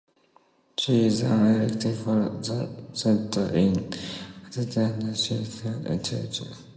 She is an elected fellow of the Hastings Center, an independent bioethics research institution.